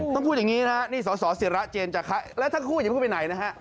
ต้องพูดอย่างนี้นะนี่สศเสียระเจนจาคะและทั้งคู่อย่าพูดไปไหนนะฮะ